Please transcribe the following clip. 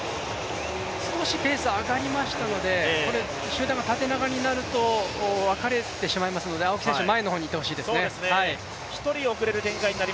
少しペースが上がりましたので、集団が縦長になると分かれてしまいますので、青木選手は前の方にいてほしいです。